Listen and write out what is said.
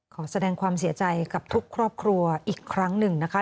ขอแสดงความเสียใจกับทุกครอบครัวอีกครั้งหนึ่งนะคะ